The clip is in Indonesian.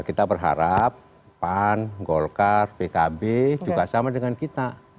kita berharap pan golkar pkb juga sama dengan kita